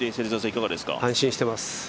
安心してます。